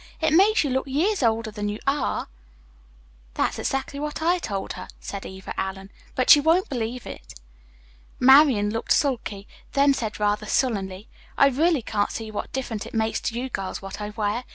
It makes you look years older than you are." "That's exactly what I told her," said Eva Allen, "but she won't believe it." Marian looked sulky, then said rather sullenly: "I really can't see what difference it makes to you girls what I wear.